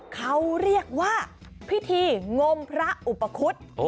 เขาเรียกว่าพิธีงมพระอุปคุฎ